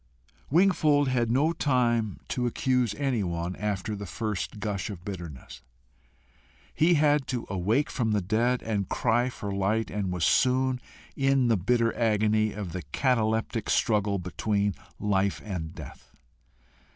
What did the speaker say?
Wingfold had no time to accuse anyone after the first gush of bitterness. He had to awake from the dead and cry for light, and was soon in the bitter agony of the cataleptic struggle between life and death.